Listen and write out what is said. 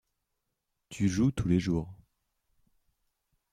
Tu joues tous les jours.